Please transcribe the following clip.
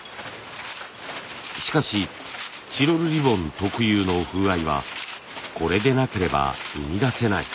しかしチロルリボン特有の風合いはこれでなければ生み出せない。